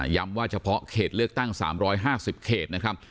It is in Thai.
ว่าเฉพาะเขตเลือกตั้ง๓๕๐เขตนะครับ